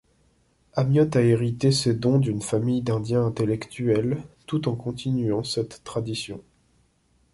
Amiotte a hérité ses dons d’une famille d’Indiens intellectuels, tout en continuant cette tradition.